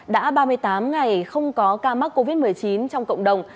đã ba mươi tám ngày không có ca mắc covid một mươi chín trong cộng đồng